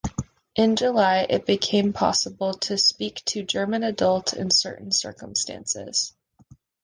In July, it became possible to speak to German adults in certain circumstances.